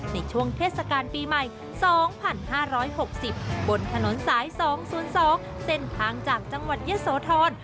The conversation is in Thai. ในช่วงเทศกาลปีใหม่๒๕๖๐บนถนนสาย๒๐๒เส้นทางจากจังหวัดยะโสธร